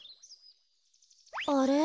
あれ？